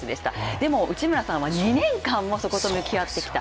でも内村さんは２年間もそこと向き合ってきた。